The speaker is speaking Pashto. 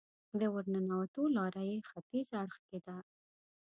د ورننوتو لاره یې ختیځ اړخ کې ده.